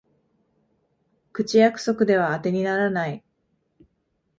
口約束ではあてにならない